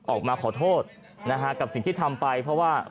ออกมาขอโทษนะฮะกับสิ่งที่ทำไปเพราะว่า